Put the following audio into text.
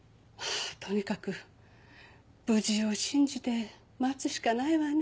とにかく無事を信じて待つしかないわね。